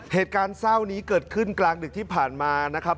เหตุการณ์เศร้านี้เกิดขึ้นกลางดึกที่ผ่านมานะครับ